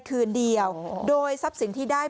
โปรดติดตามต่อไป